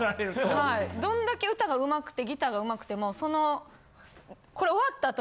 はいどんだけ歌が上手くてギターが上手くてもそのこれ。